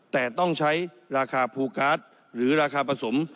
แต่ต้องใช้ราคาภูการ์ดหรือราคาผสม